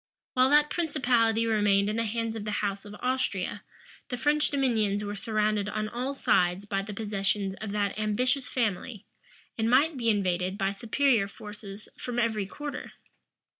While that principality remained in the hands of the house of Austria, the French dominions were surrounded on all sides by the possessions of that ambitious family, and might be invaded by superior forces from every quarter.